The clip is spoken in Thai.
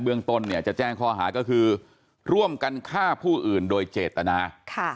ต้นเนี่ยจะแจ้งข้อหาก็คือร่วมกันฆ่าผู้อื่นโดยเจตนา